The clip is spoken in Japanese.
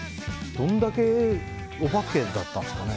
どんだけお化けだったんですかね。